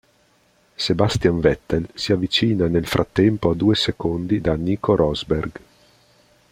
Sebastian Vettel si avvicina nel frattempo a due secondi da Nico Rosberg.